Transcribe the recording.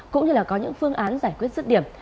cũng như là có những phương án giải quyết rứt điểm